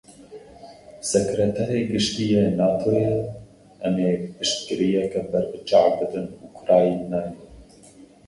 Sekreterê Giştî yê Natoyê, em ê piştgiriyeke berbiçav bidin Ukraynayê.